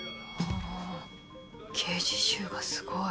あ刑事臭がすごい。